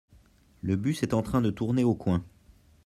Le bus est en train de tourner au coin.